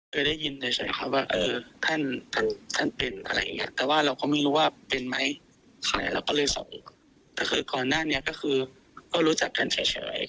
คือบอกประลำบากอะไรอย่างนี้ฉันก็โอเคอาจจะให้